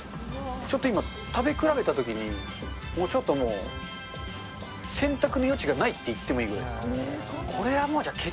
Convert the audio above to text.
ちょっと今、食べ比べたときに、もうちょっと選択の余地がないって言ってもいいくらいです。